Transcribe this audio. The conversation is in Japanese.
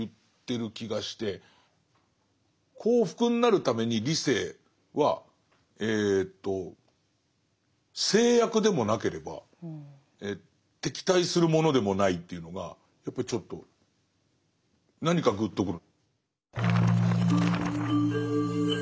幸福になるために理性は制約でもなければ敵対するものでもないというのがやっぱりちょっと何かぐっとくる。